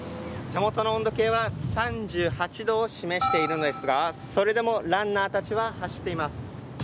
手元の温度計は３８度を示しているのですがそれでもランナーたちは走っています。